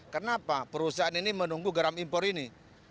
kenapa perusahaan ini menunggu garam impor ini